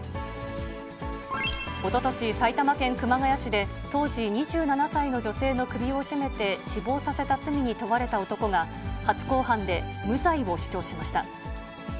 おととし、埼玉県熊谷市で当時２７歳の女性の首を絞めて、死亡させた罪に問われた男が、初公判で無罪を主張しました。